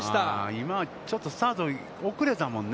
今はちょっとスタートおくれたもんね。